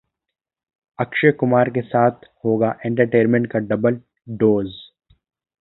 अक्षय कुमार के साथ होगा 'एंटरटेनमेंट' का डबल डोज